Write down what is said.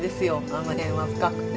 あの辺は深くて。